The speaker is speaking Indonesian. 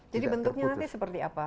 jadi bentuknya nanti seperti apa